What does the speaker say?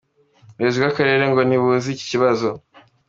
Ubuyobozi bw’Akarere ngo ntibuzi iki kibazo.